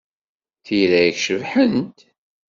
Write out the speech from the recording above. Tira-k cebḥent!